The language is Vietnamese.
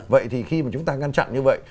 vậy thì khi mà chúng ta ngăn chặn như vậy